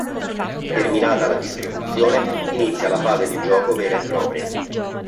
Terminata la distribuzione inizia la fase di gioco vera e propria.